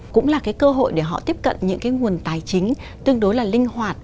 cũng là cái cơ hội để họ tiếp cận những cái nguồn tài chính tương đối là linh hoạt